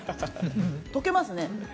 溶けますね。